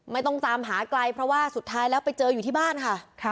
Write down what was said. ไม่ต้องตามหาไกลเพราะว่าสุดท้ายแล้วไปเจออยู่ที่บ้านค่ะ